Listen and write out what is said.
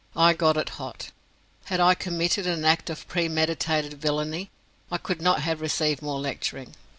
I got it hot. Had I committed an act of premeditated villainy I could not have received more lecturing.